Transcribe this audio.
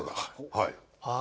はい。